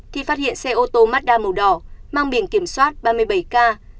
thì phát hiện xe ô tô mazda màu đỏ mang biển kiểm soát ba mươi bảy k